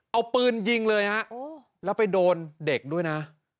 เอาปืนยิงเลยฮะแล้วไปโดนเด็กด้วยนะ